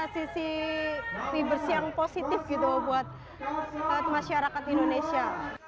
sisi fibers yang positif gitu buat masyarakat indonesia